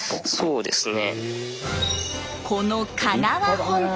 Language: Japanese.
そうですね。